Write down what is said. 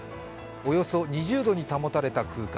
およそ２０度に保たれた空間。